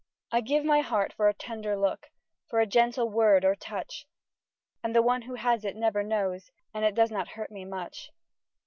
I give my heart for a tender look, For a gentle word or touch; And the one who has it never knows, And it does not hurt me much.